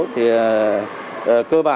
thì cơ bản